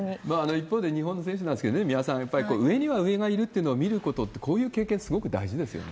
一方で、日本の選手なんですけれども、三輪さん、やっぱり上には上がいるってのを見ることって、こういう経験、すごく大事ですよね。